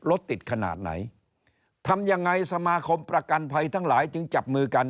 รถติดขนาดไหนทำยังไงสมาคมประกันภัยทั้งหลายจึงจับมือกัน